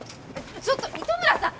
ちょっと糸村さん！